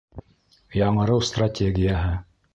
Яңырыу стратегияһы